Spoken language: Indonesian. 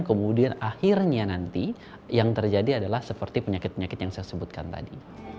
kemudian akhirnya nanti yang terjadi adalah seperti penyakit penyakit yang saya sebutkan tadi